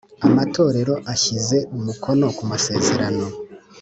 amatorero ashyize umukono ku masezerano